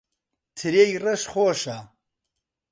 ترێی ڕەش خۆشە.